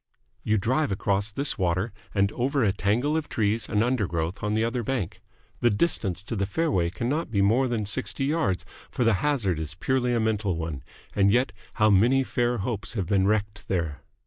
You drive across this water and over a tangle of trees and under growth on the other bank. The distance to the fairway cannot be more than sixty yards, for the hazard is purely a mental one, and yet how many fair hopes have been wrecked there!